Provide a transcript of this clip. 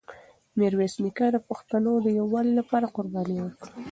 میرویس نیکه د پښتنو د یووالي لپاره قرباني ورکړه.